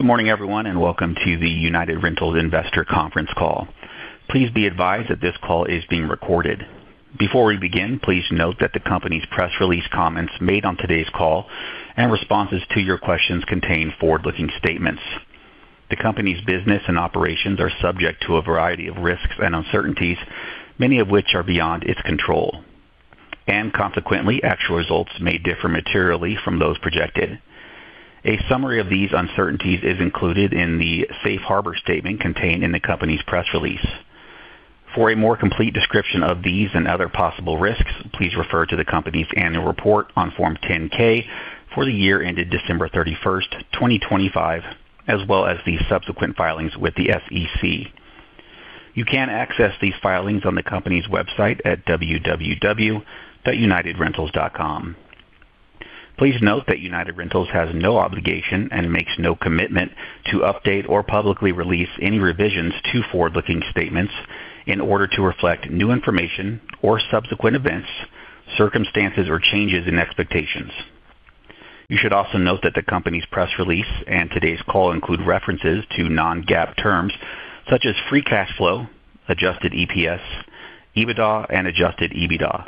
Good morning, everyone, and welcome to the United Rentals Investor Conference Call. Please be advised that this call is being recorded. Before we begin, please note that the company's press release comments made on today's call and responses to your questions contain forward-looking statements. The company's business and operations are subject to a variety of risks and uncertainties, many of which are beyond its control, and consequently, actual results may differ materially from those projected. A summary of these uncertainties is included in the safe harbor statement contained in the company's press release. For a more complete description of these and other possible risks, please refer to the company's annual report on Form 10-K for the year ended December 31, 2025, as well as the subsequent filings with the SEC. You can access these filings on the company's website at www.unitedrentals.com. Please note that United Rentals has no obligation and makes no commitment to update or publicly release any revisions to forward-looking statements in order to reflect new information or subsequent events, circumstances, or changes in expectations. You should also note that the company's press release and today's call include references to non-GAAP terms, such as free cash flow, adjusted EPS, EBITDA, and adjusted EBITDA.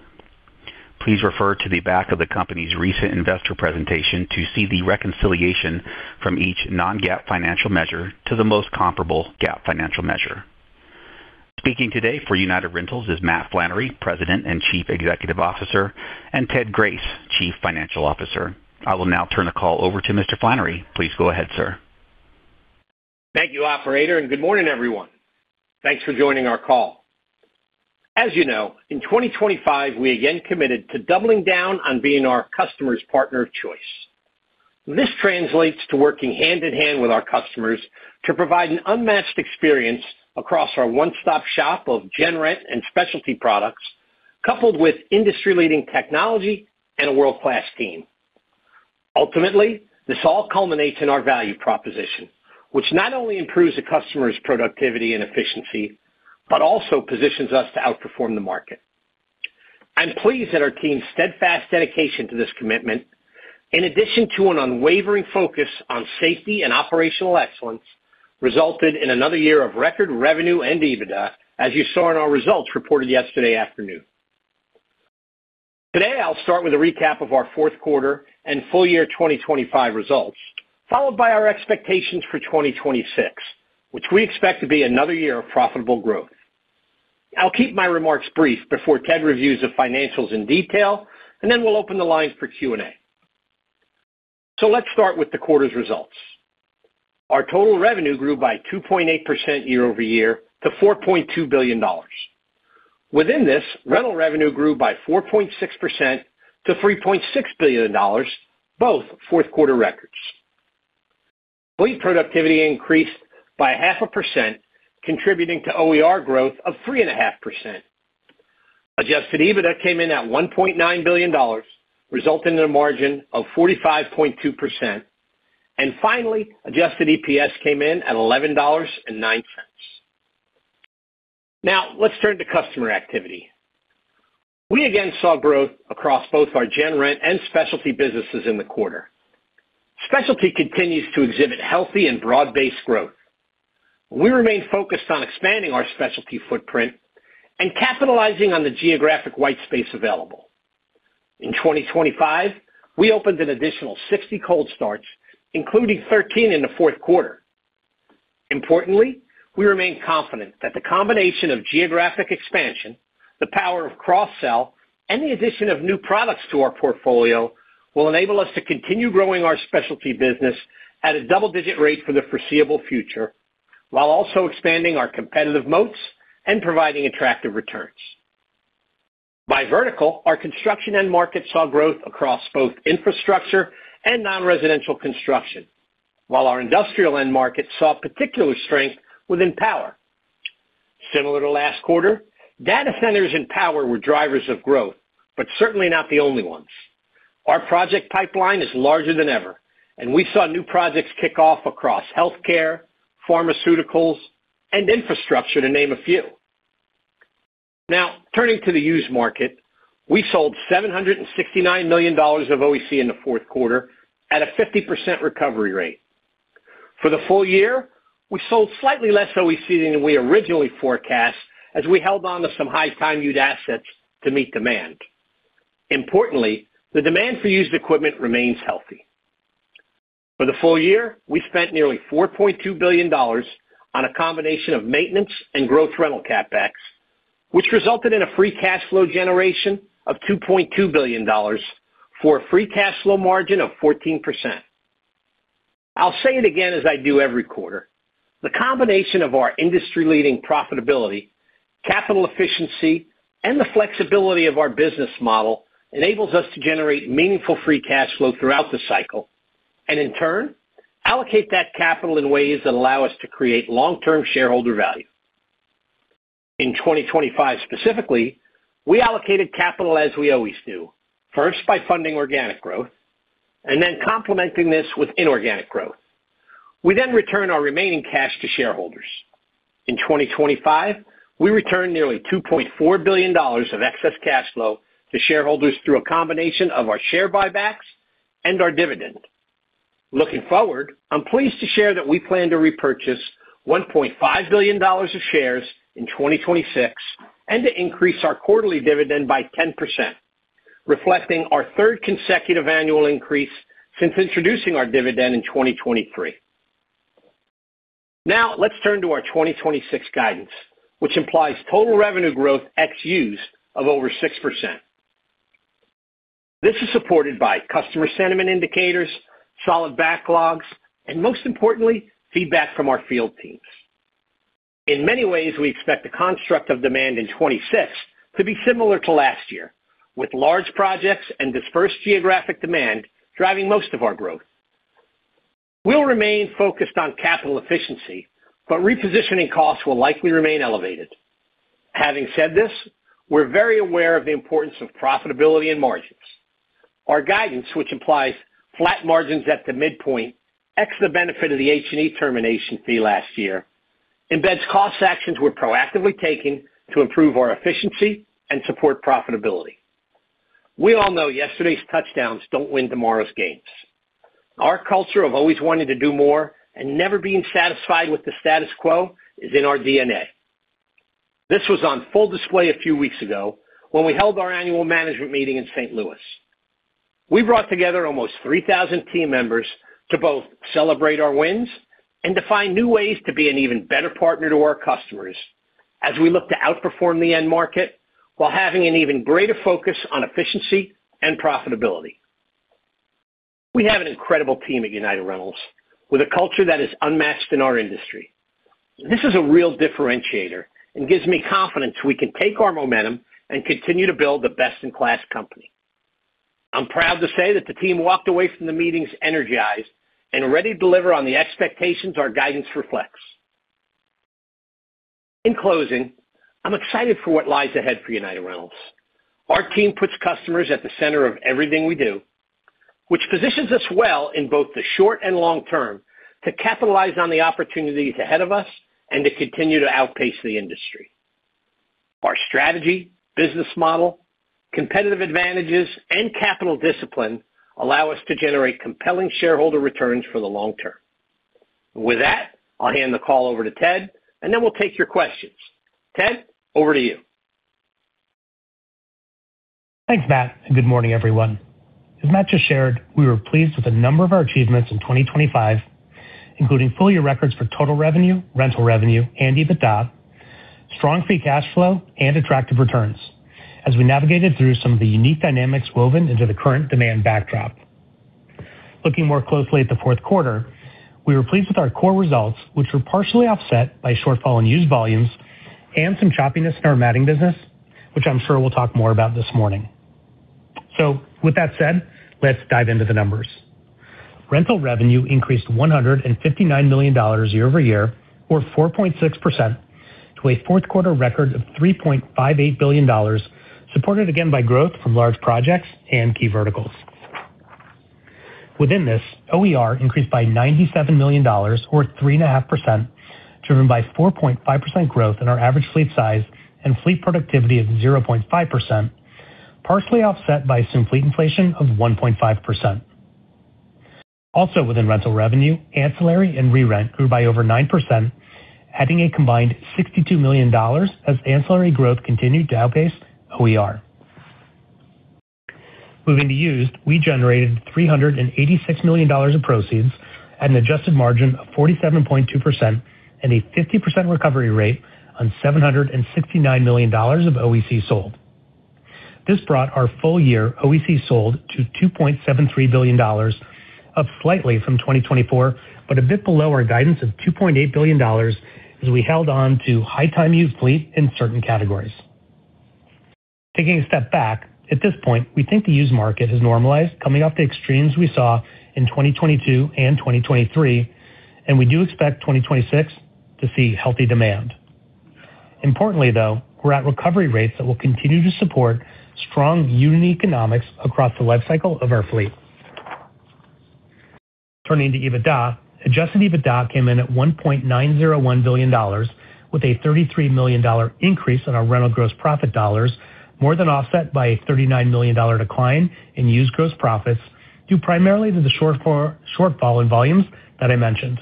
Please refer to the back of the company's recent investor presentation to see the reconciliation from each non-GAAP financial measure to the most comparable GAAP financial measure. Speaking today for United Rentals is Matt Flannery, President and Chief Executive Officer, and Ted Grace, Chief Financial Officer. I will now turn the call over to Mr. Flannery. Please go ahead, sir. Thank you, operator, and good morning, everyone. Thanks for joining our call. As you know, in 2025, we again committed to doubling down on being our customers' partner of choice. This translates to working hand-in-hand with our customers to provide an unmatched experience across our one-stop shop of Gen Rent and Specialty products, coupled with industry-leading technology and a world-class team. Ultimately, this all culminates in our value proposition, which not only improves the customer's productivity and efficiency, but also positions us to outperform the market. I'm pleased that our team's steadfast dedication to this commitment, in addition to an unwavering focus on safety and operational excellence, resulted in another year of record revenue and EBITDA, as you saw in our results reported yesterday afternoon. Today, I'll start with a recap of our fourth quarter and full year 2025 results, followed by our expectations for 2026, which we expect to be another year of profitable growth. I'll keep my remarks brief before Ted reviews the financials in detail, and then we'll open the lines for Q&A. So let's start with the quarter's results. Our total revenue grew by 2.8% year-over-year to $4.2 billion. Within this, rental revenue grew by 4.6% to $3.6 billion, both fourth quarter records. Fleet productivity increased by 0.5%, contributing to OER growth of 3.5%. Adjusted EBITDA came in at $1.9 billion, resulting in a margin of 45.2%. And finally, adjusted EPS came in at $11.09. Now, let's turn to customer activity. We again saw growth across both our Gen Rent and Specialty businesses in the quarter. Specialty continues to exhibit healthy and broad-based growth. We remain focused on expanding our Specialty footprint and capitalizing on the geographic white space available. In 2025, we opened an additional 60 cold starts, including 13 in the fourth quarter. Importantly, we remain confident that the combination of geographic expansion, the power of cross-sell, and the addition of new products to our portfolio will enable us to continue growing our Specialty business at a double-digit rate for the foreseeable future, while also expanding our competitive moats and providing attractive returns. By vertical, our construction end market saw growth across both infrastructure and non-residential construction, while our industrial end market saw particular strength within power. Similar to last quarter, data centers and power were drivers of growth, but certainly not the only ones. Our project pipeline is larger than ever, and we saw new projects kick off across healthcare, pharmaceuticals, and infrastructure, to name a few. Now, turning to the used market, we sold $769 million of OEC in the fourth quarter at a 50% recovery rate. For the full year, we sold slightly less OEC than we originally forecast, as we held on to some high-time used assets to meet demand. Importantly, the demand for used equipment remains healthy. For the full year, we spent nearly $4.2 billion on a combination of maintenance and growth rental CapEx, which resulted in a free cash flow generation of $2.2 billion for a free cash flow margin of 14%. I'll say it again, as I do every quarter: the combination of our industry-leading profitability, capital efficiency, and the flexibility of our business model enables us to generate meaningful free cash flow throughout the cycle, and in turn, allocate that capital in ways that allow us to create long-term shareholder value. In 2025, specifically, we allocated capital as we always do, first by funding organic growth and then complementing this with inorganic growth. We then return our remaining cash to shareholders.... In 2025, we returned nearly $2.4 billion of excess cash flow to shareholders through a combination of our share buybacks and our dividend. Looking forward, I'm pleased to share that we plan to repurchase $1.5 billion of shares in 2026 and to increase our quarterly dividend by 10%, reflecting our third consecutive annual increase since introducing our dividend in 2023. Now, let's turn to our 2026 guidance, which implies total revenue growth ex used of over 6%. This is supported by customer sentiment indicators, solid backlogs, and most importantly, feedback from our field teams. In many ways, we expect the construct of demand in 2026 to be similar to last year, with large projects and dispersed geographic demand driving most of our growth. We'll remain focused on capital efficiency, but repositioning costs will likely remain elevated. Having said this, we're very aware of the importance of profitability and margins. Our guidance, which implies flat margins at the midpoint, ex the benefit of the H&E termination fee last year, embeds cost actions we're proactively taking to improve our efficiency and support profitability. We all know yesterday's touchdowns don't win tomorrow's games. Our culture of always wanting to do more and never being satisfied with the status quo is in our DNA. This was on full display a few weeks ago when we held our annual management meeting in St. Louis. We brought together almost 3,000 team members to both celebrate our wins and to find new ways to be an even better partner to our customers as we look to outperform the end market, while having an even greater focus on efficiency and profitability. We have an incredible team at United Rentals, with a culture that is unmatched in our industry. This is a real differentiator and gives me confidence we can take our momentum and continue to build the best-in-class company. I'm proud to say that the team walked away from the meetings energized and ready to deliver on the expectations our guidance reflects. In closing, I'm excited for what lies ahead for United Rentals. Our team puts customers at the center of everything we do, which positions us well in both the short and long term to capitalize on the opportunities ahead of us and to continue to outpace the industry. Our strategy, business model, competitive advantages, and capital discipline allow us to generate compelling shareholder returns for the long term. With that, I'll hand the call over to Ted, and then we'll take your questions. Ted, over to you. Thanks, Matt, and good morning, everyone. As Matt just shared, we were pleased with a number of our achievements in 2025, including full-year records for total revenue, rental revenue, and EBITDA, strong free cash flow, and attractive returns as we navigated through some of the unique dynamics woven into the current demand backdrop. Looking more closely at the fourth quarter, we were pleased with our core results, which were partially offset by shortfall in used volumes and some choppiness in our matting business, which I'm sure we'll talk more about this morning. So with that said, let's dive into the numbers. Rental revenue increased $159 million year-over-year, or 4.6%, to a fourth quarter record of $3.58 billion, supported again by growth from large projects and key verticals. Within this, OER increased by $97 million, or 3.5%, driven by 4.5% growth in our average fleet size and fleet productivity of 0.5%, partially offset by some fleet inflation of 1.5%. Also within rental revenue, ancillary and re-rent grew by over 9%, adding a combined $62 million as ancillary growth continued to outpace OER. Moving to used, we generated $386 million of proceeds at an adjusted margin of 47.2% and a 50% recovery rate on $769 million of OEC sold. This brought our full year OEC sold to $2.73 billion, up slightly from 2024, but a bit below our guidance of $2.8 billion, as we held on to high-time-use fleet in certain categories. Taking a step back, at this point, we think the used market has normalized, coming off the extremes we saw in 2022 and 2023, and we do expect 2026 to see healthy demand. Importantly, though, we're at recovery rates that will continue to support strong unit economics across the life cycle of our fleet. Turning to EBITDA, adjusted EBITDA came in at $1.901 billion, with a $33 million increase in our rental gross profit dollars, more than offset by a $39 million decline in used gross profits, due primarily to the shortfall in volumes that I mentioned.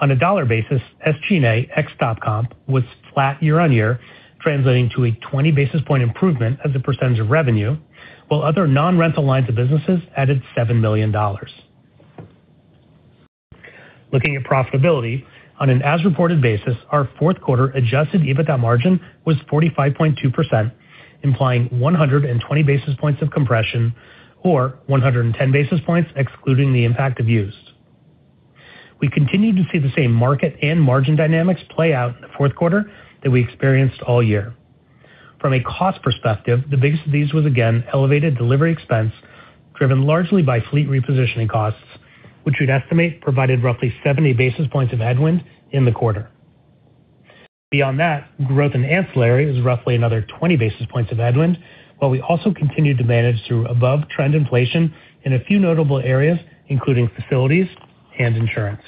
On a dollar basis, SG&A, ex comp, was flat year-over-year, translating to a 20 basis point improvement as a percentage of revenue, while other non-rental lines of businesses added $7 million. Looking at profitability, on an as-reported basis, our fourth quarter adjusted EBITDA margin was 45.2%, implying 120 basis points of compression, or 110 basis points, excluding the impact of used. We continued to see the same market and margin dynamics play out in the fourth quarter that we experienced all year. From a cost perspective, the biggest of these was, again, elevated delivery expense, driven largely by fleet repositioning costs, which we'd estimate provided roughly 70 basis points of headwind in the quarter. Beyond that, growth in ancillary is roughly another 20 basis points of headwind, while we also continued to manage through above-trend inflation in a few notable areas, including facilities and insurance.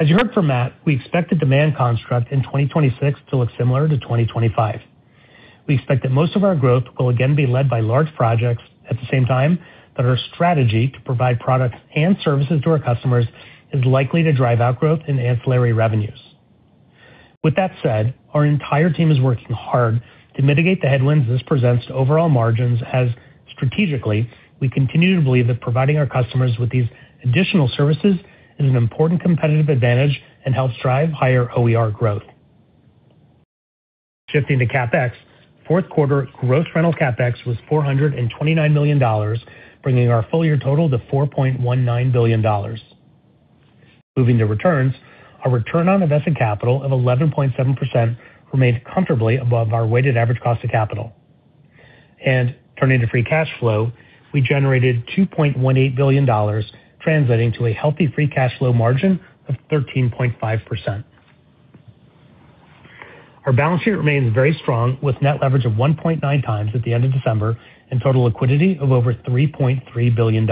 As you heard from Matt, we expect the demand construct in 2026 to look similar to 2025. We expect that most of our growth will again be led by large projects. At the same time, our strategy to provide products and services to our customers is likely to drive our growth in ancillary revenues. With that said, our entire team is working hard to mitigate the headwinds this presents to overall margins. As strategically, we continue to believe that providing our customers with these additional services is an important competitive advantage and helps drive higher OER growth. Shifting to CapEx, fourth quarter gross rental CapEx was $429 million, bringing our full year total to $4.19 billion. Moving to returns, our return on invested capital of 11.7% remained comfortably above our weighted average cost of capital. Turning to free cash flow, we generated $2.18 billion, translating to a healthy free cash flow margin of 13.5%. Our balance sheet remains very strong, with net leverage of 1.9 times at the end of December and total liquidity of over $3.3 billion.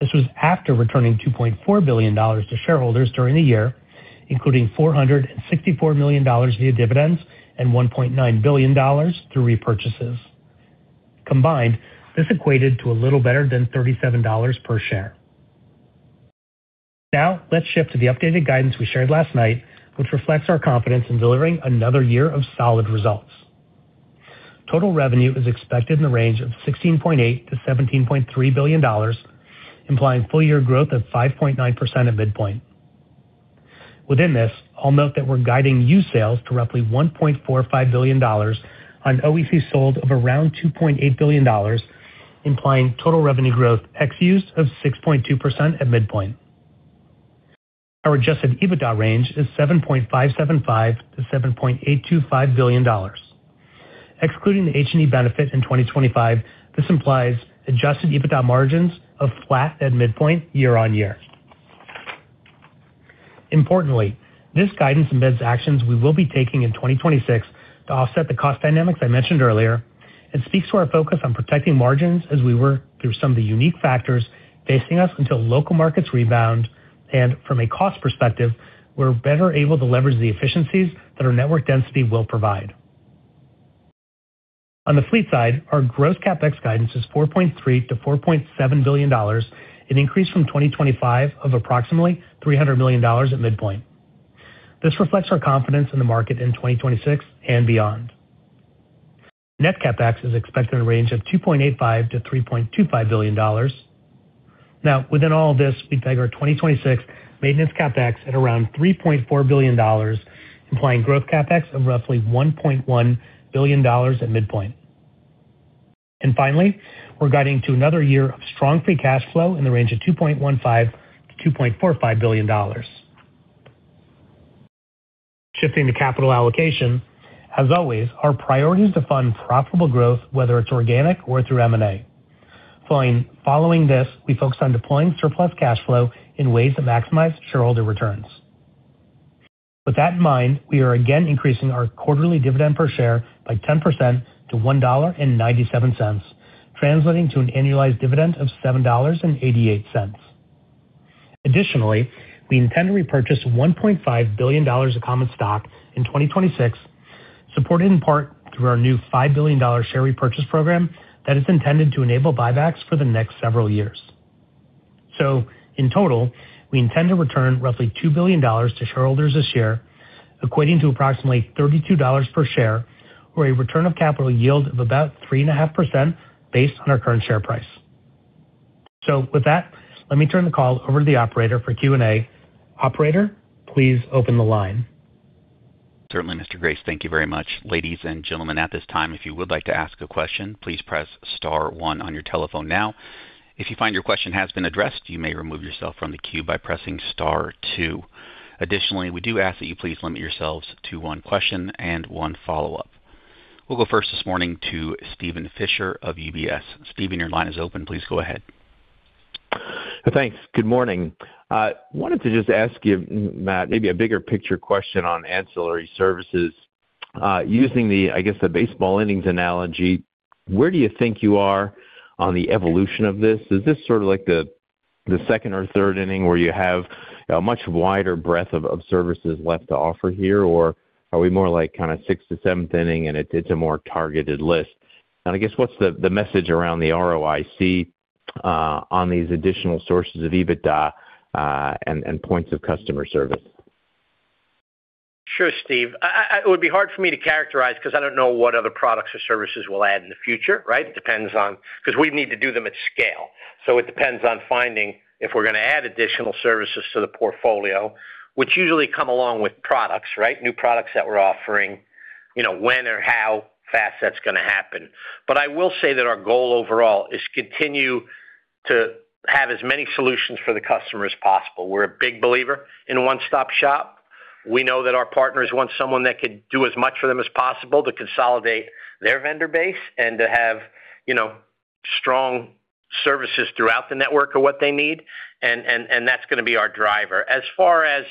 This was after returning $2.4 billion to shareholders during the year, including $464 million via dividends and $1.9 billion through repurchases. Combined, this equated to a little better than $37 per share. Now, let's shift to the updated guidance we shared last night, which reflects our confidence in delivering another year of solid results. Total revenue is expected in the range of $16.8 billion-$17.3 billion, implying full year growth of 5.9% at midpoint. Within this, I'll note that we're guiding used sales to roughly $1.45 billion on OEC sold of around $2.8 billion, implying total revenue growth ex used of 6.2% at midpoint. Our Adjusted EBITDA range is $7.575 billion-$7.825 billion. Excluding the H&E benefit in 2025, this implies Adjusted EBITDA margins of flat at midpoint year-on-year. Importantly, this guidance embeds actions we will be taking in 2026 to offset the cost dynamics I mentioned earlier and speaks to our focus on protecting margins as we work through some of the unique factors facing us until local markets rebound. From a cost perspective, we're better able to leverage the efficiencies that our network density will provide. On the fleet side, our gross CapEx guidance is $4.3 billion-$4.7 billion, an increase from 2025 of approximately $300 million at midpoint. This reflects our confidence in the market in 2026 and beyond. Net CapEx is expected in a range of $2.85 billion-$3.25 billion. Now, within all this, we tag our 2026 maintenance CapEx at around $3.4 billion, implying growth CapEx of roughly $1.1 billion at midpoint. And finally, we're guiding to another year of strong free cash flow in the range of $2.15 billion-$2.45 billion. Shifting to capital allocation, as always, our priority is to fund profitable growth, whether it's organic or through M&A. Following this, we focus on deploying surplus cash flow in ways that maximize shareholder returns. With that in mind, we are again increasing our quarterly dividend per share by 10% to $1.97, translating to an annualized dividend of $7.88. Additionally, we intend to repurchase $1.5 billion of common stock in 2026, supported in part through our new $5 billion share repurchase program that is intended to enable buybacks for the next several years. So in total, we intend to return roughly $2 billion to shareholders this year, equating to approximately $32 per share or a return of capital yield of about 3.5% based on our current share price. So with that, let me turn the call over to the operator for Q&A. Operator, please open the line. Certainly, Mr. Grace. Thank you very much. Ladies and gentlemen, at this time, if you would like to ask a question, please press star one on your telephone now. If you find your question has been addressed, you may remove yourself from the queue by pressing star two. Additionally, we do ask that you please limit yourselves to one question and one follow-up. We'll go first this morning to Steven Fisher of UBS. Steven, your line is open. Please go ahead. Thanks. Good morning. Wanted to just ask you, Matt, maybe a bigger picture question on ancillary services. Using the, I guess, the baseball innings analogy, where do you think you are on the evolution of this? Is this sort of like the second or third inning, where you have a much wider breadth of services left to offer here? Or are we more like kinda sixth to seventh inning, and it's a more targeted list? And I guess, what's the message around the ROIC on these additional sources of EBITDA and points of customer service? Sure, Steve. It would be hard for me to characterize, 'cause I don't know what other products or services we'll add in the future, right? It depends on, 'cause we need to do them at scale, so it depends on finding, if we're gonna add additional services to the portfolio, which usually come along with products, right? New products that we're offering, you know, when or how fast that's gonna happen. But I will say that our goal overall is to continue to have as many solutions for the customer as possible. We're a big believer in a one-stop shop. We know that our partners want someone that can do as much for them as possible to consolidate their vendor base and to have, you know-... strong services throughout the network are what they need, and that's gonna be our driver. As far as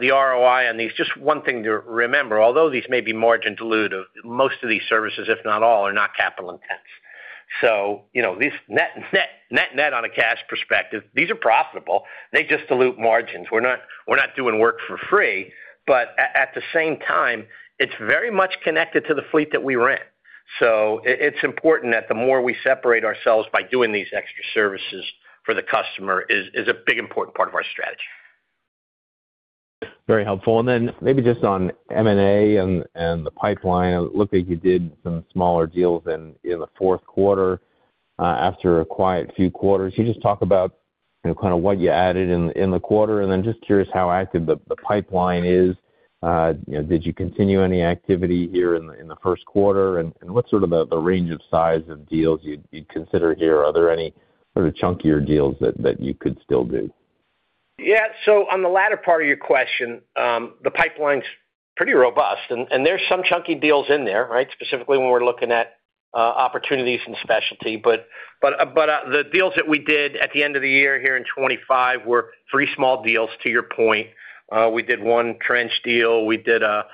the ROI on these, just one thing to remember, although these may be margin dilutive, most of these services, if not all, are not capital intense. So, you know, these net-net on a cash perspective, these are profitable. They just dilute margins. We're not doing work for free, but at the same time, it's very much connected to the fleet that we rent. So it's important that the more we separate ourselves by doing these extra services for the customer is a big, important part of our strategy. Very helpful. Then maybe just on M&A and the pipeline. It looked like you did some smaller deals in the fourth quarter after a quiet few quarters. Can you just talk about, you know, kind of what you added in the quarter? Then just curious how active the pipeline is. You know, did you continue any activity here in the first quarter? And what's sort of the range of size of deals you'd consider here? Are there any sort of chunkier deals that you could still do? Yeah, so on the latter part of your question, the pipeline's pretty robust, and there's some chunky deals in there, right? Specifically, when we're looking at opportunities in specialty. But the deals that we did at the end of the year here in 2025 were three small deals, to your point. We did one trench deal. We did a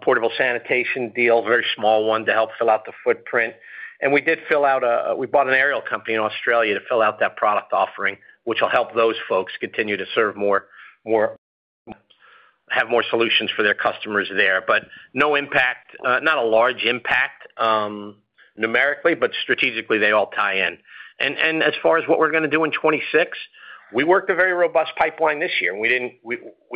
portable sanitation deal, a very small one, to help fill out the footprint. And we bought an aerial company in Australia to fill out that product offering, which will help those folks continue to serve more... have more solutions for their customers there. But no impact, not a large impact, numerically, but strategically, they all tie in. As far as what we're gonna do in 2026, we worked a very robust pipeline this year, and we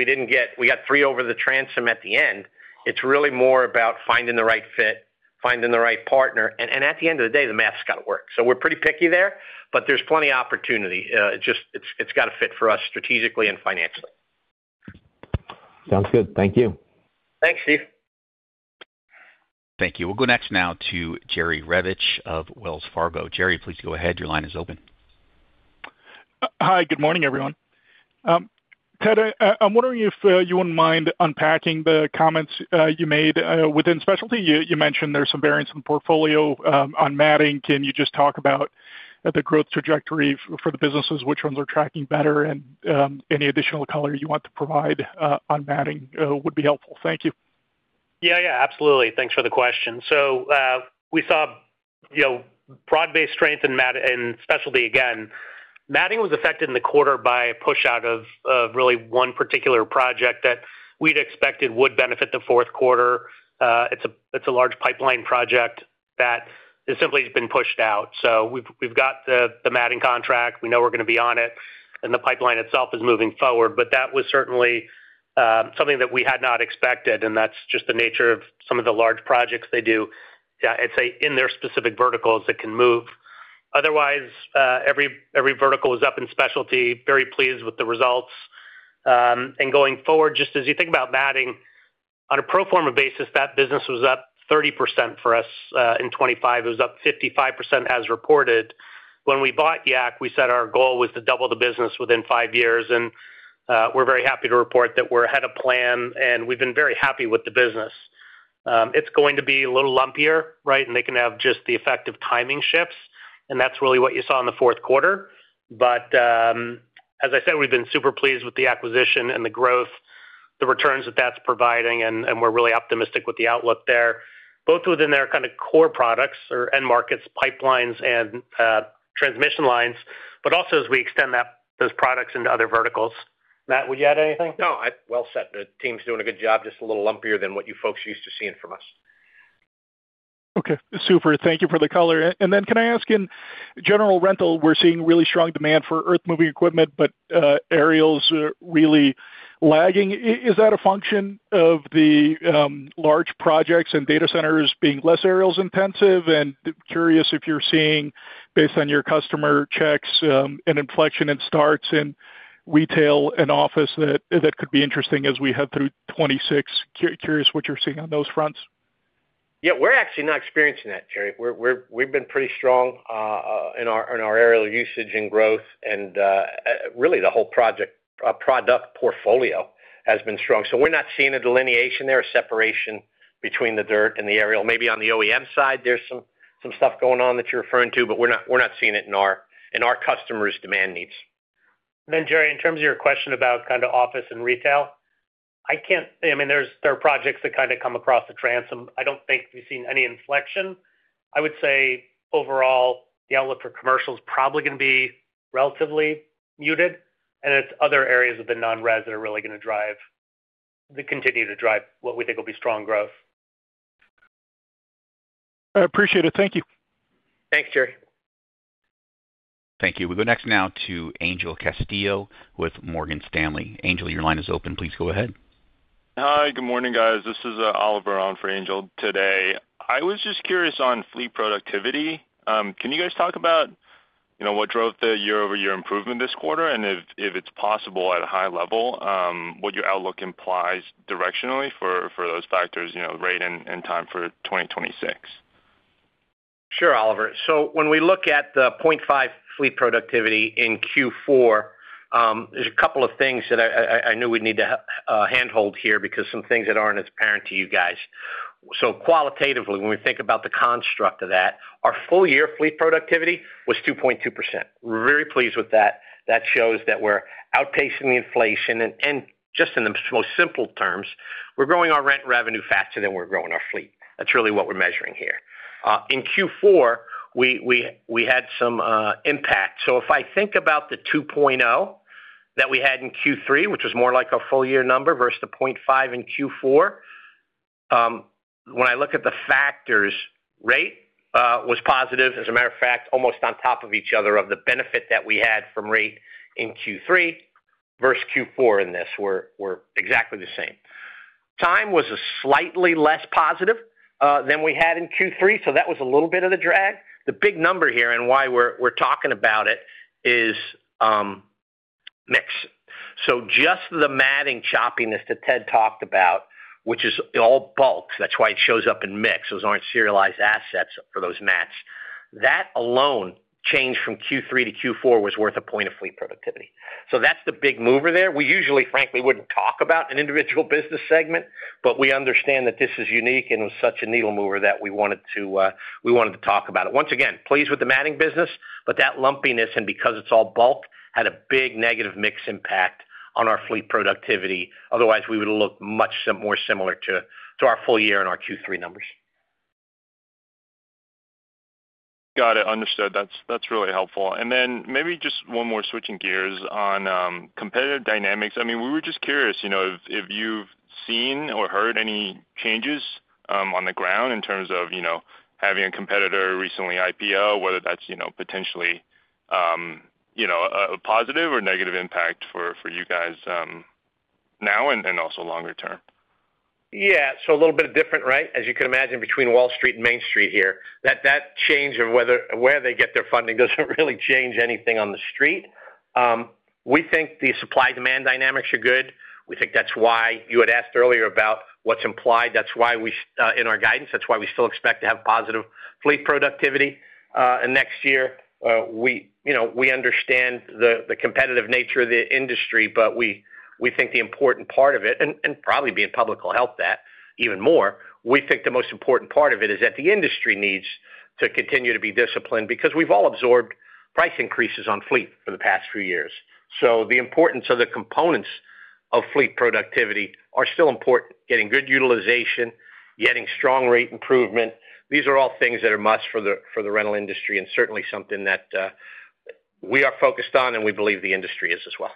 didn't get - we got three over the transom at the end. It's really more about finding the right fit, finding the right partner, and at the end of the day, the math's gotta work. So we're pretty picky there, but there's plenty of opportunity. It just, it's gotta fit for us strategically and financially. Sounds good. Thank you. Thanks, Steve. Thank you. We'll go next now to Jerry Revich of Wells Fargo. Jerry, please go ahead. Your line is open. Hi, good morning, everyone. Ted, I'm wondering if you wouldn't mind unpacking the comments you made within Specialty. You mentioned there's some variance in the portfolio on matting. Can you just talk about the growth trajectory for the businesses? Which ones are tracking better, and any additional color you want to provide on matting would be helpful. Thank you. Yeah. Yeah, absolutely. Thanks for the question. So, we saw, you know, broad-based strength in matting in specialty again. Matting was affected in the quarter by a pushout of really one particular project that we'd expected would benefit the fourth quarter. It's a large pipeline project that has simply been pushed out. So we've got the matting contract. We know we're gonna be on it, and the pipeline itself is moving forward. But that was certainly something that we had not expected, and that's just the nature of some of the large projects they do, I'd say, in their specific verticals that can move. Otherwise, every vertical was up in specialty. Very pleased with the results. And going forward, just as you think about matting, on a pro forma basis, that business was up 30% for us in 2025. It was up 55% as reported. When we bought Yak, we said our goal was to double the business within five years, and we're very happy to report that we're ahead of plan, and we've been very happy with the business. It's going to be a little lumpier, right? And they can have just the effect of timing shifts, and that's really what you saw in the fourth quarter. But, as I said, we've been super pleased with the acquisition and the growth, the returns that that's providing, and we're really optimistic with the outlook there, both within their kind of core products or end markets, pipelines and, transmission lines, but also as we extend that, those products into other verticals. Matt, would you add anything? No, well said. The team's doing a good job, just a little lumpier than what you folks are used to seeing from us. Okay, super. Thank you for the color. And then can I ask, in general rental, we're seeing really strong demand for earth-moving equipment, but aerials are really lagging. Is that a function of the large projects and data centers being less aerials intensive? And curious if you're seeing, based on your customer checks, an inflection in starts in retail and office, that could be interesting as we head through 2026. Curious what you're seeing on those fronts. Yeah, we're actually not experiencing that, Jerry. We've been pretty strong in our aerial usage and growth, and really, the whole project product portfolio has been strong. So we're not seeing a delineation there, a separation between the dirt and the aerial. Maybe on the OEM side, there's some stuff going on that you're referring to, but we're not seeing it in our customers' demand needs. And then, Jerry, in terms of your question about kind of office and retail, I can't... I mean, there's, there are projects that kind of come across the transom. I don't think we've seen any inflection. I would say, overall, the outlook for commercial is probably gonna be relatively muted, and it's other areas of the non-res that are really gonna drive- the continue to drive what we think will be strong growth. I appreciate it. Thank you. Thanks, Jerry. Thank you. We go next now to Angel Castillo with Morgan Stanley. Angel, your line is open. Please go ahead. Hi, good morning, guys. This is Oliver on for Angel today. I was just curious on fleet productivity. Can you guys talk about, you know, what drove the year-over-year improvement this quarter? And if it's possible, at a high level, what your outlook implies directionally for those factors, you know, rate and time for 2026? Sure, Oliver. So when we look at the 0.5 Fleet Productivity in Q4, there's a couple of things that I knew we'd need to handhold here because some things that aren't as apparent to you guys. So qualitatively, when we think about the construct of that, our full year Fleet Productivity was 2.2%. We're very pleased with that. That shows that we're outpacing the inflation, and just in the most simple terms, we're growing our rent revenue faster than we're growing our fleet. That's really what we're measuring here. In Q4, we had some impact. So if I think about the 2.0 that we had in Q3, which was more like a full year number versus the 0.5 in Q4, when I look at the factors, rate was positive. As a matter of fact, almost on top of each other, of the benefit that we had from rate in Q3 versus Q4, in this were exactly the same. Time was a slightly less positive than we had in Q3, so that was a little bit of the drag. The big number here, and why we're talking about it, is mix. So just the matting choppiness that Ted talked about, which is all bulk, that's why it shows up in mix. Those aren't serialized assets for those mats. That alone changed from Q3 to Q4, was worth a point of fleet productivity. So that's the big mover there. We usually, frankly, wouldn't talk about an individual business segment, but we understand that this is unique and such a needle mover that we wanted to talk about it. Once again, pleased with the matting business, but that lumpiness, and because it's all bulk, had a big negative mix impact on our fleet productivity. Otherwise, we would look much more similar to our full year and our Q3 numbers. Got it. Understood. That's really helpful. And then maybe just one more, switching gears on competitive dynamics. I mean, we were just curious, you know, if you've seen or heard any changes on the ground in terms of, you know, having a competitor recently IPO, whether that's, you know, potentially a positive or negative impact for you guys, now and also longer term? Yeah. So a little bit different, right? As you can imagine, between Wall Street and Main Street here, that change of where they get their funding doesn't really change anything on the street. We think the supply-demand dynamics are good. We think that's why you had asked earlier about what's implied. That's why in our guidance, that's why we still expect to have positive fleet productivity next year. We, you know, we understand the competitive nature of the industry, but we think the important part of it, and probably being public will help that even more. We think the most important part of it is that the industry needs to continue to be disciplined because we've all absorbed price increases on fleet for the past few years. So the importance of the components of fleet productivity are still important. Getting good utilization, getting strong rate improvement, these are all things that are musts for the, for the rental industry, and certainly something that, we are focused on, and we believe the industry is as well.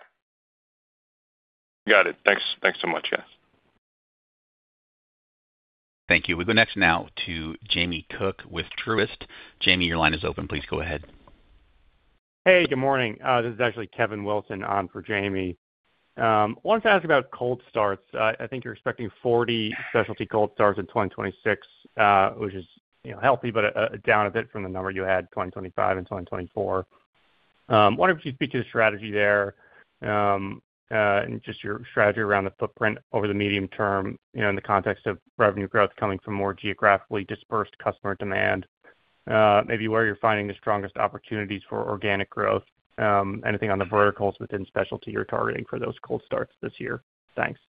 Got it. Thanks. Thanks so much, guys. Thank you. We go next now to Jamie Cook with Truist. Jamie, your line is open. Please go ahead. Hey, good morning. This is actually Kevin Wilson on for Jamie. Wanted to ask about cold starts. I think you're expecting 40 specialty cold starts in 2026, which is, you know, healthy, but down a bit from the number you had in 2025 and 2024. Wonder if you'd speak to the strategy there, and just your strategy around the footprint over the medium term, you know, in the context of revenue growth coming from more geographically dispersed customer demand? Maybe where you're finding the strongest opportunities for organic growth, anything on the verticals within specialty you're targeting for those cold starts this year. Thanks.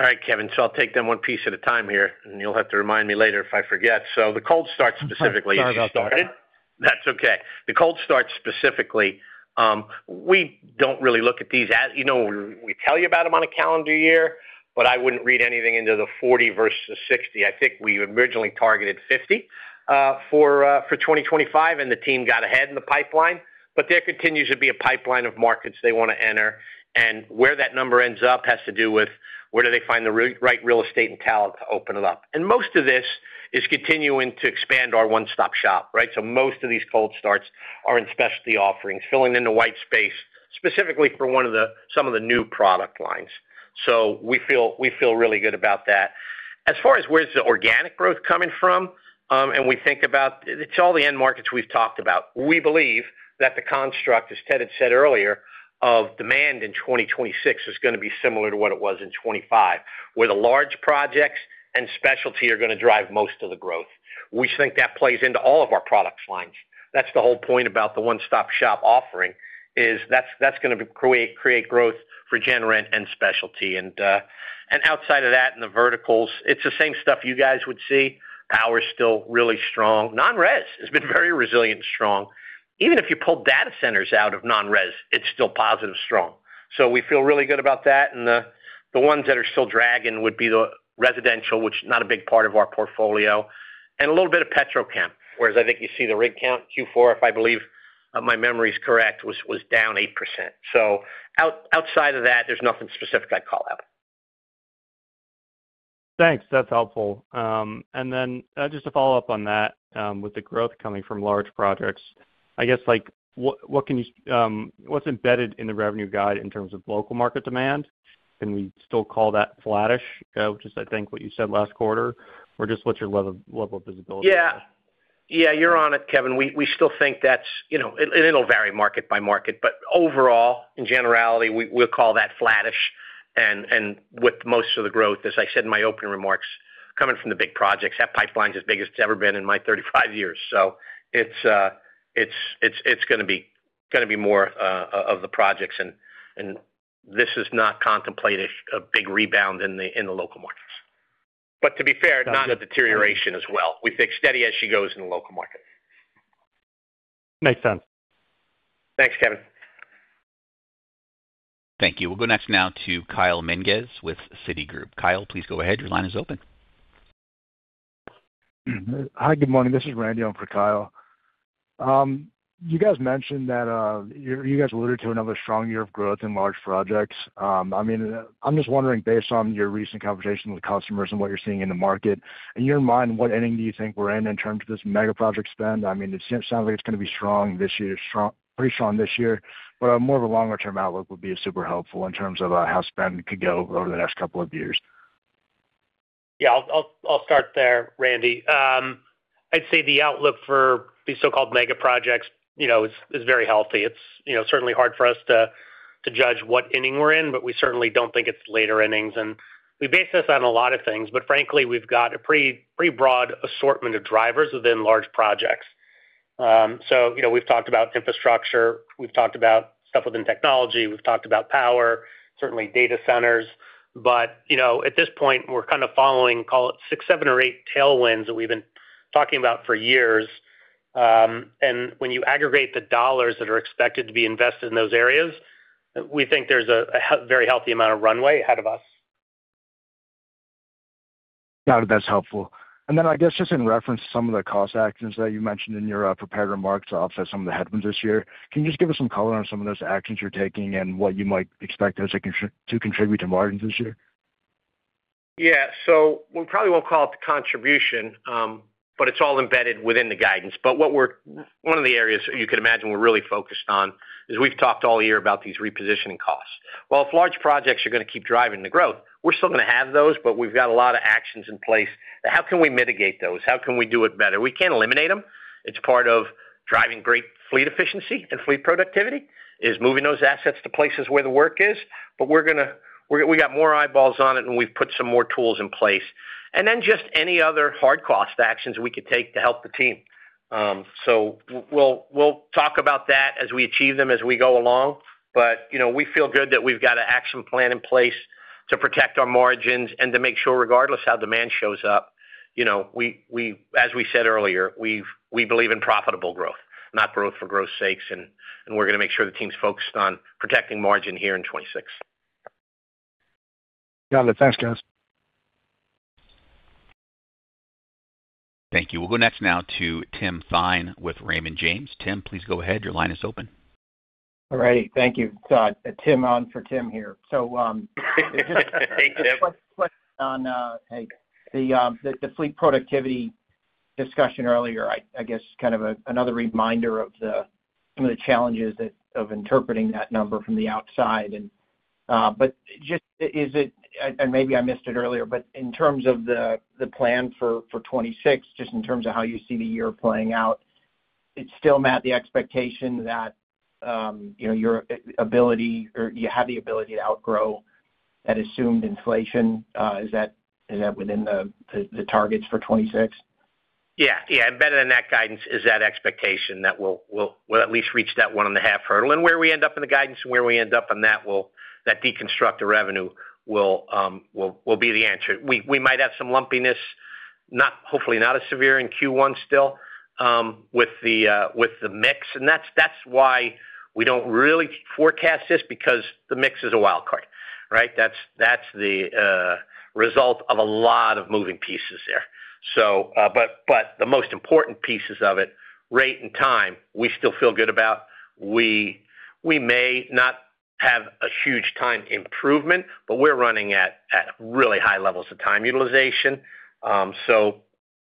All right, Kevin, so I'll take them one piece at a time here, and you'll have to remind me later if I forget. So the cold start specifically- Sorry about that. That's okay. The cold start specifically, we don't really look at these as—you know, we tell you about them on a calendar year, but I wouldn't read anything into the 40 versus 60. I think we originally targeted 50, for 2025, and the team got ahead in the pipeline. But there continues to be a pipeline of markets they want to enter, and where that number ends up has to do with where do they find the right real estate and talent to open it up. And most of this is continuing to expand our one-stop shop, right? So most of these cold starts are in specialty offerings, filling in the white space, specifically for some of the new product lines. So we feel, we feel really good about that. As far as where's the organic growth coming from, and we think about... It's all the end markets we've talked about. We believe that the construct, as Ted had said earlier, of demand in 2026 is gonna be similar to what it was in 2025, where the large projects and specialty are gonna drive most of the growth. We think that plays into all of our product lines. That's the whole point about the one-stop shop offering, is that's gonna create growth for gen rent and specialty. And outside of that, in the verticals, it's the same stuff you guys would see. Power's still really strong. Non-res has been very resilient and strong. Even if you pull data centers out of non-res, it's still positive strong. So we feel really good about that. The ones that are still dragging would be the residential, which is not a big part of our portfolio, and a little bit of petrochem, whereas I think you see the rig count Q4, if I believe my memory is correct, was down 8%. So outside of that, there's nothing specific I'd call out. Thanks. That's helpful. And then, just to follow up on that, with the growth coming from large projects, I guess, like, what, what can you, what's embedded in the revenue guide in terms of local market demand? Can we still call that flattish, which is, I think, what you said last quarter, or just what's your level, level of visibility? Yeah. Yeah, you're on it, Kevin. We still think that's, you know, it'll vary market by market, but overall, in generality, we'll call that flattish. And with most of the growth, as I said in my opening remarks, coming from the big projects, that pipeline is as big as it's ever been in my 35 years. So it's gonna be more of the projects and this does not contemplate a big rebound in the local markets. But to be fair, not a deterioration as well. We think steady as she goes in the local market. Makes sense. Thanks, Kevin. Thank you. We'll go next now to Kyle Menges with Citigroup. Kyle, please go ahead. Your line is open. Hi, good morning. This is Randy on for Kyle. You guys mentioned that you guys alluded to another strong year of growth in large projects. I mean, I'm just wondering, based on your recent conversation with customers and what you're seeing in the market, in your mind, what inning do you think we're in, in terms of this mega project spend? I mean, it sounds like it's gonna be strong this year, pretty strong this year, but more of a longer-term outlook would be super helpful in terms of how spend could go over the next couple of years. Yeah, I'll start there, Randy. I'd say the outlook for these so-called mega projects, you know, is very healthy. It's, you know, certainly hard for us to judge what inning we're in, but we certainly don't think it's later innings. And we base this on a lot of things, but frankly, we've got a pretty, pretty broad assortment of drivers within large projects. So, you know, we've talked about infrastructure, we've talked about stuff within technology, we've talked about power, certainly data centers, but, you know, at this point, we're kind of following, call it 6, 7, or 8 tailwinds that we've been talking about for years. And when you aggregate the dollars that are expected to be invested in those areas, we think there's a very healthy amount of runway ahead of us. Got it, that's helpful. And then, I guess, just in reference to some of the cost actions that you mentioned in your prepared remarks to offset some of the headwinds this year, can you just give us some color on some of those actions you're taking and what you might expect those to contribute to margins this year? Yeah. So we probably won't call it the contribution, but it's all embedded within the guidance. But what we're one of the areas you can imagine we're really focused on, is we've talked all year about these repositioning costs. While if large projects are gonna keep driving the growth, we're still gonna have those, but we've got a lot of actions in place. How can we mitigate those? How can we do it better? We can't eliminate them. It's part of driving great fleet efficiency and fleet productivity, is moving those assets to places where the work is. But we're gonna. We got more eyeballs on it, and we've put some more tools in place. And then just any other hard cost actions we could take to help the team. So we'll talk about that as we achieve them, as we go along. You know, we feel good that we've got an action plan in place to protect our margins and to make sure, regardless how demand shows up, you know, as we said earlier, we believe in profitable growth, not growth for growth's sake, and we're gonna make sure the team's focused on protecting margin here in 2026. Got it. Thanks, guys. Thank you. We'll go next now to Tim Thein with Raymond James. Tim, please go ahead. Your line is open. All right, thank you. So, Tim on for Tim here. So, Hey, Tim. Hey, the fleet productivity discussion earlier, I guess kind of another reminder of some of the challenges of interpreting that number from the outside. But just, maybe I missed it earlier, but in terms of the plan for 2026, just in terms of how you see the year playing out, it's still met the expectation that, you know, your ability or you have the ability to outgrow that assumed inflation? Is that within the targets for 2026? Yeah. Yeah, embedded in that guidance is that expectation that we'll at least reach that one and a half hurdle. And where we end up in the guidance and where we end up on that will, that deconstruction revenue will be the answer. We might have some lumpiness, hopefully not as severe in Q1 still, with the mix, and that's why we don't really forecast this, because the mix is a wild card, right? That's the result of a lot of moving pieces there. So, but the most important pieces of it, rate and time, we still feel good about. We may not have a huge time improvement, but we're running at really high levels of time utilization. So,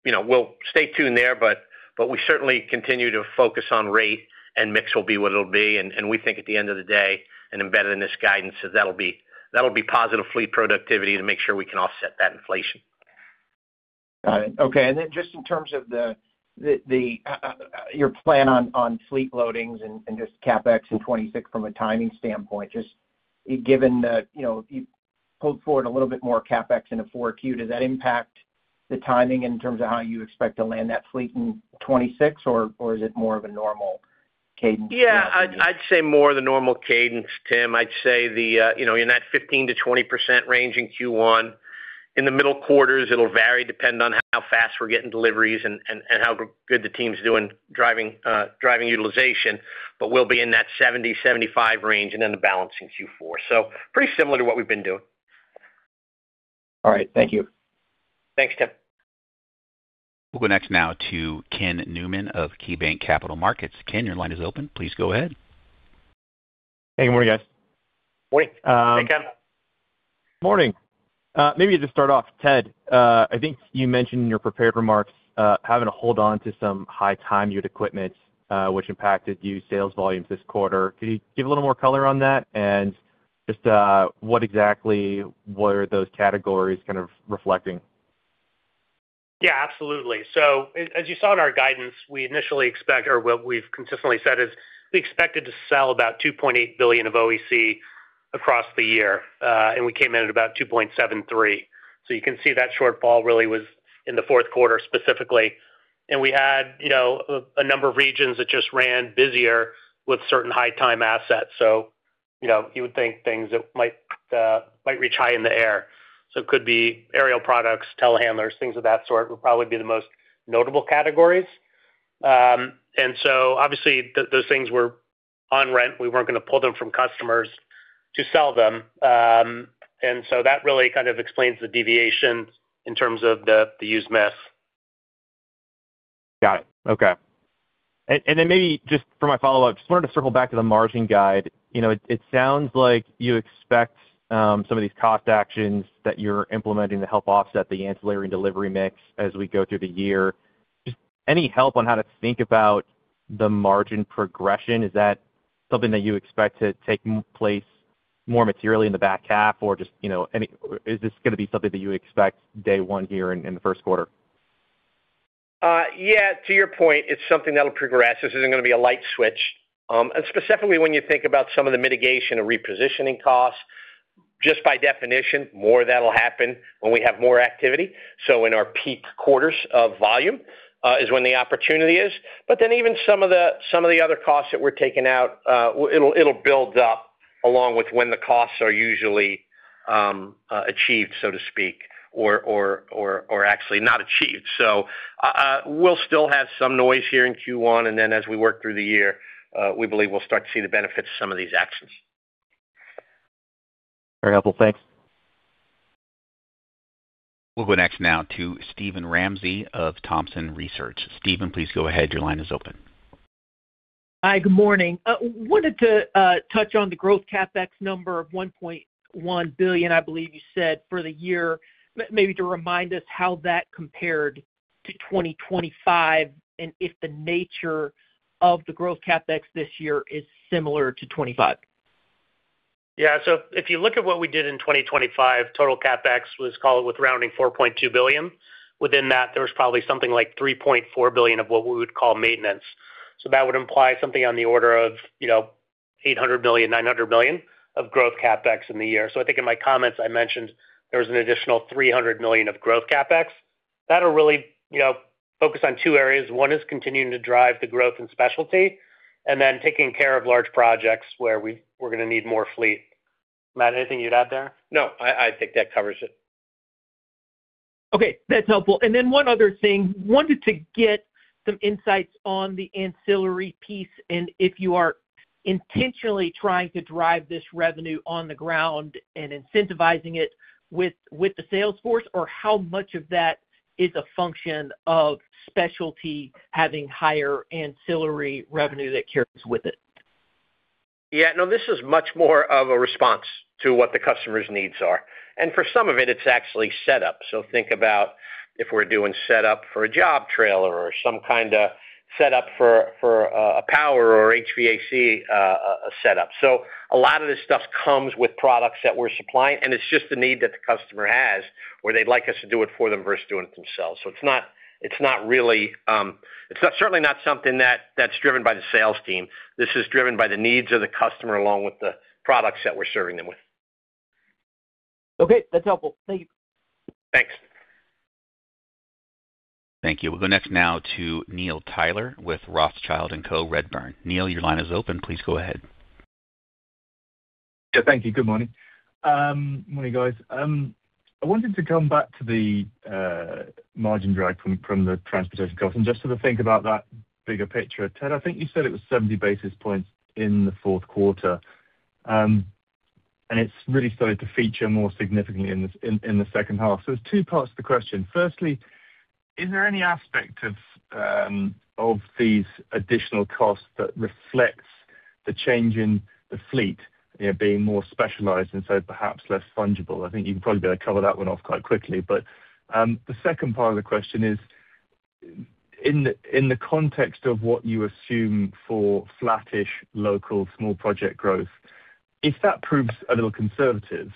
you know, we'll stay tuned there, but we certainly continue to focus on rate, and mix will be what it'll be. We think at the end of the day, and embedded in this guidance, is that'll be positive fleet productivity to make sure we can offset that inflation. Got it. Okay, and then just in terms of your plan on fleet loadings and just CapEx in 2026 from a timing standpoint, just given that, you know, you pulled forward a little bit more CapEx in the 4Q, does that impact the timing in terms of how you expect to land that fleet in 2026, or is it more of a normal cadence? Yeah, I'd say more the normal cadence, Tim. I'd say, you know, in that 15%-20% range in Q1. In the middle quarters, it'll vary, depending on how fast we're getting deliveries and how good the team's doing, driving utilization, but we'll be in that 70-75 range, and then the balance in Q4. So pretty similar to what we've been doing. All right. Thank you. Thanks, Tim. We'll go next now to Ken Newman of KeyBanc Capital Markets. Ken, your line is open. Please go ahead. Hey, good morning, guys. Morning. Um- Hey, Ken. Morning. Maybe to just start off, Ted, I think you mentioned in your prepared remarks, having to hold on to some high time unit equipment, which impacted your sales volumes this quarter. Could you give a little more color on that? And just, what exactly were those categories kind of reflecting? Yeah, absolutely. So as you saw in our guidance, we initially expect, or what we've consistently said is, we expected to sell about $2.8 billion of OEC across the year, and we came in at about $2.73 billion. So you can see that shortfall really was in the fourth quarter, specifically.... and we had, you know, a number of regions that just ran busier with certain high time assets. So, you know, you would think things that might reach high in the air. So it could be aerial products, telehandlers, things of that sort, would probably be the most notable categories. And so obviously, those things were on rent. We weren't gonna pull them from customers to sell them. And so that really kind of explains the deviation in terms of the used mix. Got it. Okay. And then maybe just for my follow-up, just wanted to circle back to the margin guide. You know, it sounds like you expect some of these cost actions that you're implementing to help offset the ancillary and delivery mix as we go through the year. Just any help on how to think about the margin progression? Is that something that you expect to take place more materially in the back half? Or just, you know, is this gonna be something that you expect day one here in the first quarter? Yeah, to your point, it's something that'll progress. This isn't gonna be a light switch. And specifically when you think about some of the mitigation and repositioning costs, just by definition, more of that'll happen when we have more activity. So in our peak quarters of volume, is when the opportunity is. But then even some of the, some of the other costs that we're taking out, it'll, it'll build up along with when the costs are usually achieved, so to speak, or, or, or, or actually not achieved. So, we'll still have some noise here in Q1, and then as we work through the year, we believe we'll start to see the benefits of some of these actions. Very helpful. Thanks. We'll go next now to Steven Ramsey of Thompson Research Group. Steven, please go ahead. Your line is open. Hi, good morning. Wanted to touch on the growth CapEx number of $1.1 billion, I believe you said, for the year. Maybe to remind us how that compared to 2025, and if the nature of the growth CapEx this year is similar to 2025. Yeah, so if you look at what we did in 2025, total CapEx was call it, with rounding, $4.2 billion. Within that, there was probably something like $3.4 billion of what we would call maintenance. So that would imply something on the order of, you know, $800 million-$900 million of growth CapEx in the year. So I think in my comments, I mentioned there was an additional $300 million of growth CapEx. That'll really, you know, focus on two areas. One is continuing to drive the growth in Specialty, and then taking care of large projects where we- we're gonna need more fleet. Matt, anything you'd add there? No, I think that covers it. Okay, that's helpful. And then one other thing. Wanted to get some insights on the ancillary piece, and if you are intentionally trying to drive this revenue on the ground and incentivizing it with the sales force, or how much of that is a function of specialty having higher ancillary revenue that carries with it? Yeah, no, this is much more of a response to what the customer's needs are. And for some of it, it's actually set up. So think about if we're doing set up for a job trailer or some kind of set up for a power or HVAC setup. So a lot of this stuff comes with products that we're supplying, and it's just the need that the customer has, where they'd like us to do it for them versus doing it themselves. So it's not, it's not really. It's not certainly not something that that's driven by the sales team. This is driven by the needs of the customer along with the products that we're serving them with. Okay, that's helpful. Thank you. Thanks. Thank you. We'll go next now to Neil Tyler with Rothschild & Co, Redburn. Neil, your line is open. Please go ahead. Yeah, thank you. Good morning. Morning, guys. I wanted to come back to the margin drag from the transportation costs and just sort of think about that bigger picture. Ted, I think you said it was 70 basis points in the fourth quarter. And it's really started to feature more significantly in the second half. So there's two parts to the question. Firstly, is there any aspect of these additional costs that reflects the change in the fleet, you know, being more specialized and so perhaps less fungible? I think you can probably be able to cover that one off quite quickly. But the second part of the question is, in the context of what you assume for flattish, local, small project growth, if that proves a little conservative,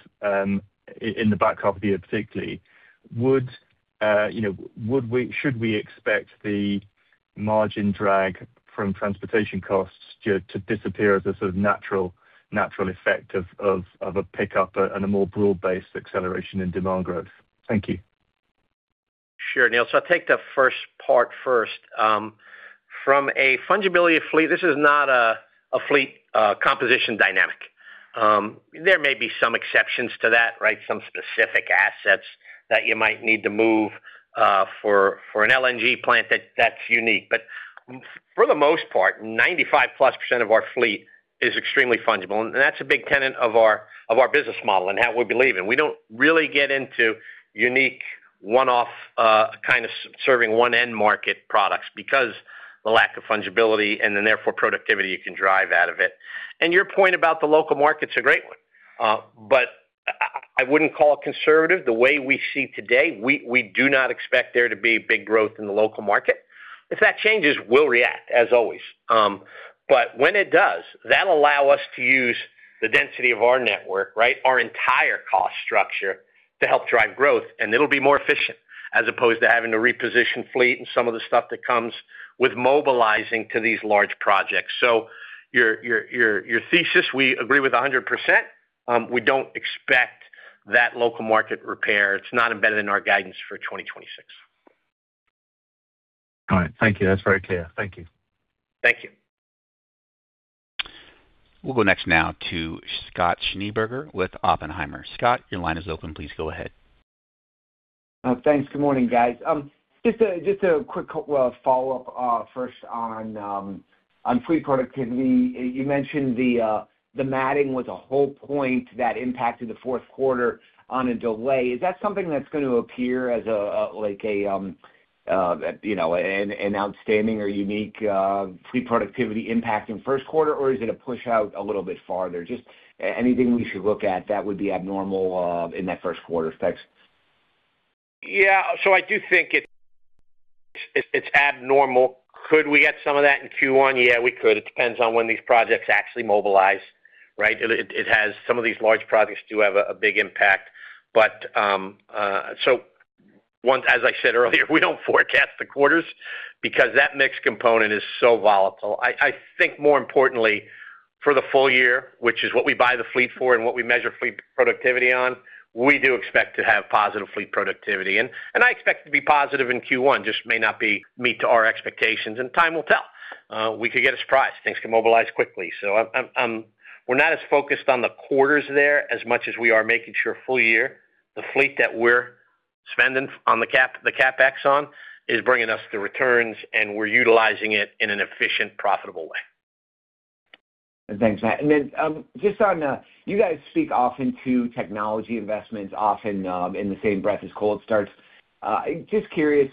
in the back half of the year, particularly, you know, would we—should we expect the margin drag from transportation costs to disappear as a sort of natural effect of a pickup and a more broad-based acceleration in demand growth? Thank you. Sure, Neil. So I'll take the first part first. From a fungibility of fleet, this is not a fleet composition dynamic. There may be some exceptions to that, right? Some specific assets that you might need to move for an LNG plant that's unique. But for the most part, 95%+ of our fleet is extremely fungible, and that's a big tenet of our business model and how we believe in. We don't really get into unique, one-off kind of serving one end market products because the lack of fungibility and then therefore productivity you can drive out of it. And your point about the local market's a great one, but I wouldn't call it conservative. The way we see today, we do not expect there to be big growth in the local market. If that changes, we'll react as always. But when it does, that'll allow us to use the density of our network, right? Our entire cost structure to help drive growth, and it'll be more efficient, as opposed to having to reposition fleet and some of the stuff that comes with mobilizing to these large projects. So your thesis, we agree with 100%. We don't expect that local market repair. It's not embedded in our guidance for 2026. All right. Thank you. That's very clear. Thank you. Thank you. We'll go next now to Scott Schneeberger with Oppenheimer. Scott, your line is open. Please go ahead. Thanks. Good morning, guys. Just a quick, well, follow-up, first on fleet productivity. You mentioned the matting was a whole point that impacted the fourth quarter on a delay. Is that something that's going to appear as a like a you know an outstanding or unique fleet productivity impact in first quarter? Or is it a push out a little bit farther? Just anything we should look at that would be abnormal in that first quarter effects? Yeah, so I do think it's abnormal. Could we get some of that in Q1? Yeah, we could. It depends on when these projects actually mobilize, right? Some of these large projects do have a big impact. But, so one—as I said earlier, we don't forecast the quarters because that mix component is so volatile. I think more importantly for the full year, which is what we buy the fleet for and what we measure fleet productivity on, we do expect to have positive fleet productivity, and I expect it to be positive in Q1, just may not meet our expectations, and time will tell. We could get a surprise. Things can mobilize quickly. So we're not as focused on the quarters there as much as we are making sure full year, the fleet that we're spending on the CapEx on, is bringing us the returns, and we're utilizing it in an efficient, profitable way. Thanks, Matt. And then, just on, you guys speak often to technology investments, often, in the same breath as cold starts. Just curious,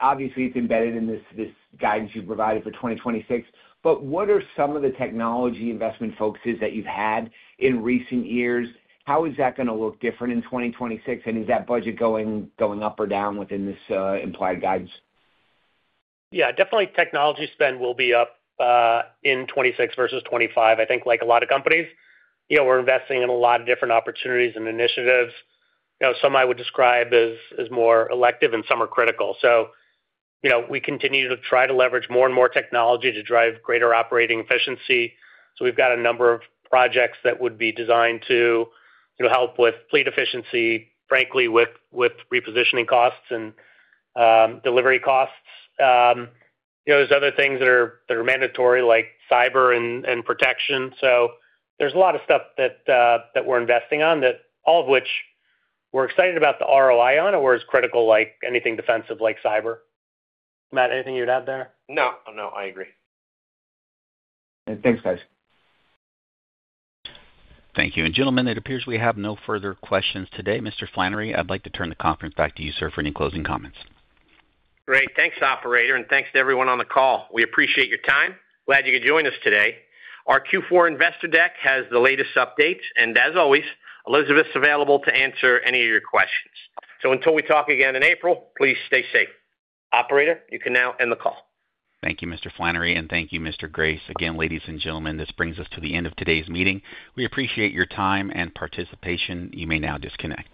obviously, it's embedded in this guidance you've provided for 2026, but what are some of the technology investment focuses that you've had in recent years? How is that gonna look different in 2026, and is that budget going up or down within this implied guidance? Yeah, definitely technology spend will be up in 2026 versus 2025. I think like a lot of companies, you know, we're investing in a lot of different opportunities and initiatives. You know, some I would describe as more elective and some are critical. So, you know, we continue to try to leverage more and more technology to drive greater operating efficiency. So we've got a number of projects that would be designed to, you know, help with fleet efficiency, frankly, with repositioning costs and delivery costs. You know, there's other things that are mandatory, like cyber and protection. So there's a lot of stuff that we're investing on that all of which we're excited about the ROI on or is critical, like anything defensive, like cyber. Matt, anything you'd add there? No, no, I agree. Thanks, guys. Thank you. Gentlemen, it appears we have no further questions today. Mr. Flannery, I'd like to turn the conference back to you, sir, for any closing comments. Great. Thanks, operator, and thanks to everyone on the call. We appreciate your time. Glad you could join us today. Our Q4 investor deck has the latest updates, and as always, Elizabeth's available to answer any of your questions. So until we talk again in April, please stay safe. Operator, you can now end the call. Thank you, Mr. Flannery, and thank you, Mr. Grace. Again, ladies and gentlemen, this brings us to the end of today's meeting. We appreciate your time and participation. You may now disconnect.